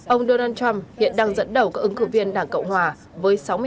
ông donald trump hiện đang dẫn đầu các ứng cử viên đảng cộng hòa với sáu mươi tám